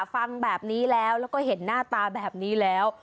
ฟังแบบนี้แล้วแล้วก็เห็นหน้าตาแบบนี้แล้ว